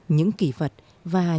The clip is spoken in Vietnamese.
những kỷ vật và những câu chuyện